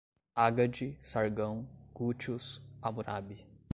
Ágade, Sargão, gútios, Hamurábi